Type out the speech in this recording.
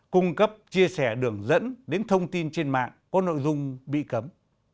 cung cấp chia sẻ đường dẫn đến thông tin trên mạng có nội dung bị cấm